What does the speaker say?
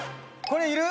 これいる？